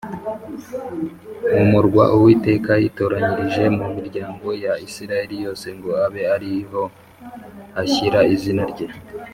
mu murwa Uwiteka yitoranyirije mu miryango ya Isirayeli yose ngo abe ari ho ashyira izina rye